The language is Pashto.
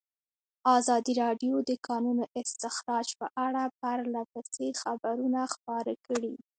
ازادي راډیو د د کانونو استخراج په اړه پرله پسې خبرونه خپاره کړي.